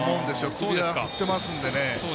首は振ってますので。